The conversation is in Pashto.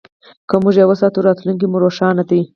که موږ یې وساتو، راتلونکی مو روښانه دی.